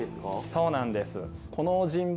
そうなんです。